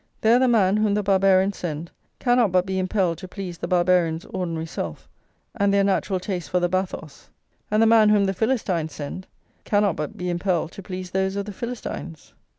There, the man whom the Barbarians send, cannot but be impelled to please the Barbarians' ordinary self, and their natural taste for the bathos; and the man whom the Philistines send, cannot but be impelled to please those of the Philistines.